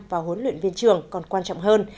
và hỗn luyện viên trường còn quan trọng hơn